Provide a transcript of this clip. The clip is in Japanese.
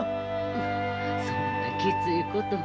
そんなきついこと。